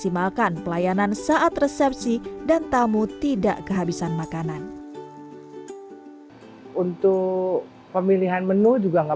maksimalkan pelayanan saat resepsi dan tamu tidak kehabisan makanan untuk pemilihan menu juga nggak